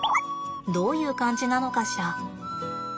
どういう感じなのかしら。